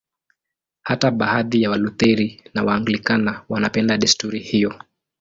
Hata baadhi ya Walutheri na Waanglikana wanapenda desturi hiyo.